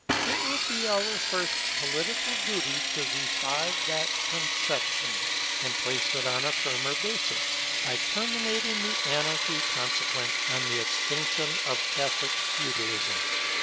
It will be our first political duty to revive that conception, and place it on a firmer basis, by terminating the anarchy consequent on the extinction of Catholic Feudalism.